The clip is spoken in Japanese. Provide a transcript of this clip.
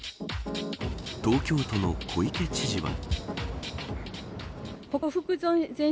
東京都の小池知事は。